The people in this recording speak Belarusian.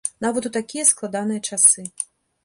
Нават у такія складаныя часы.